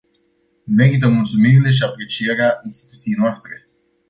Merită mulțumirile și aprecierea instituției noastre.